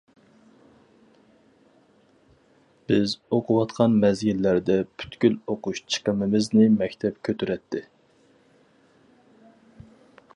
بىز ئوقۇۋاتقان مەزگىللەردە پۈتكۈل ئوقۇش چىقىمىمىزنى مەكتەپ كۆتۈرەتتى.